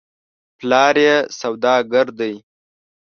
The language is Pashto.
پلار یې سودا ګر دی .